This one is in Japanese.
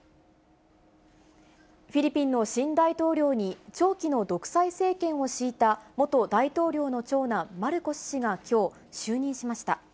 フィリピンの新大統領に、長期の独裁政権をしいた、元大統領の長男、マルコス氏がきょう、就任しました。